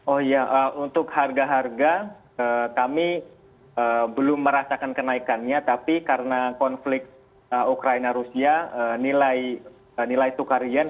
oh ya untuk harga harga kami belum merasakan kenaikannya tapi karena konflik ukraina rusia nilai tukar yen